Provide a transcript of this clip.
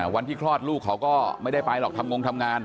วันที่คลอดลูกเขาก็ไม่ได้ไปหรอกทำงงทำงาน